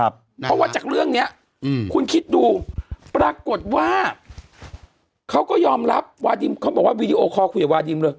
เพราะว่าจากเรื่องนี้คุณคิดดูปรากฏว่าเขาก็ยอมรับวาดิมเขาบอกว่าวีดีโอคอลคุยกับวาดิมเลย